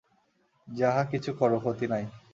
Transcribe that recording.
যাহা কিছু কর, ক্ষতি নাই।